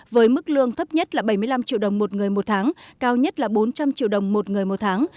với mức lương thấp nhất là bảy mươi năm triệu đồng một người một tháng cao nhất là bốn trăm linh triệu đồng một người một tháng